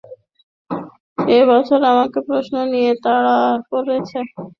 এই সমাজ আমাকে প্রশ্ন নিয়ে তাড়া করছে।